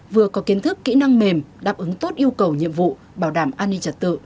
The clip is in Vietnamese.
vừa có kiến thức kỹ năng mềm đáp ứng tốt yêu cầu nhiệm vụ bảo đảm an ninh trật tự